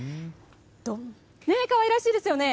どんかわいらしいですよね。